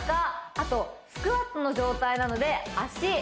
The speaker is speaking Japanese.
あとスクワットの状態なので足